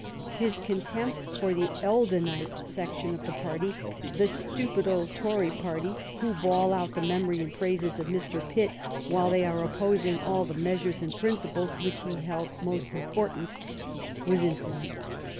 His contempt for the Eldonite section of the party, ''the stupid old Tory party, who bawl out the memory and praises of Mr. Pitt, while they are opposing all the measures and principles which he held most important," was infinite.